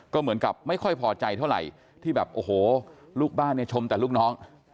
ก็เหมือนกับไม่ค่อยพอใจเท่าไหร่ที่แบบโอ้โหลูกบ้านเนี่ยชมแต่ลูกน้อง